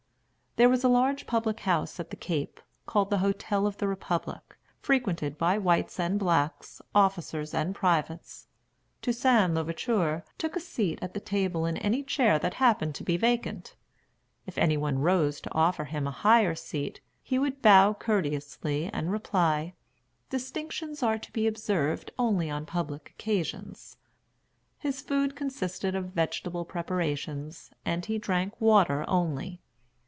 There was a large public house at the Cape, called The Hotel of the Republic, frequented by whites and blacks, officers and privates. Toussaint l'Ouverture often took a seat at the table in any chair that happened to be vacant. If any one rose to offer him a higher seat, he would bow courteously, and reply, "Distinctions are to be observed only on public occasions." His food consisted of vegetable preparations, and he drank water only.